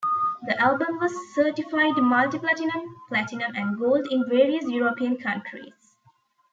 The album was certified Multi-Platinum, Platinum and Gold in various European countries.